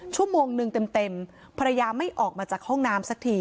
ชั่วโมงหนึ่งเต็มภรรยาไม่ออกมาจากห้องน้ำสักที